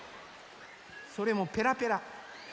それもペラペラ。